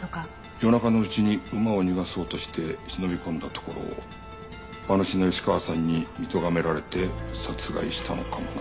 夜中のうちに馬を逃がそうとして忍び込んだところを馬主の吉川さんに見とがめられて殺害したのかもな。